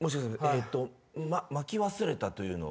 えっとまき忘れたというのは？